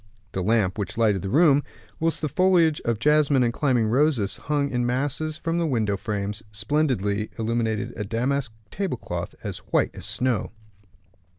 The lamp which lighted the room, whilst the foliage of jasmine and climbing roses hung in masses from the window frames, splendidly illuminated a damask table cloth as white as snow.